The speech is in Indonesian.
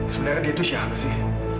sebenarnya dia itu siapa sih